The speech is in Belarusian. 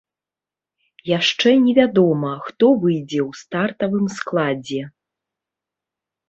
Яшчэ не вядома, хто выйдзе ў стартавым складзе.